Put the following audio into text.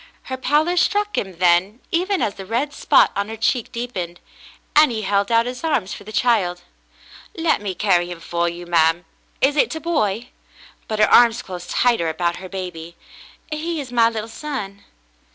Her pallor struck him then, even as the red spot on her cheek deepened, and he held out his arms for the child. "Let me carry 'im for you, ma'm. Is it a boy.^^" But her arms closed tighter about her baby. "He is my little son."